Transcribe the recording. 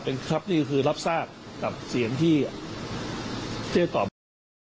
เป็นครับนี่คือรับทราบกับเสียงที่ตอบมาค่ะ